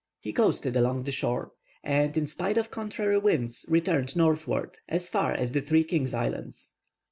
He coasted along the shore, and, in spite of contrary winds, returned northward as far as the Three Kings Islands.